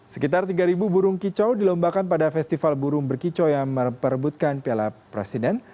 sekitar tiga burung kicau dilombakan pada festival burung berkicau yang memperebutkan piala presiden